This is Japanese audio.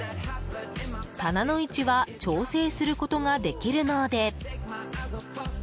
棚の位置は調整することができるので。